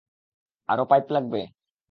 আরো পাইপ লাগবে?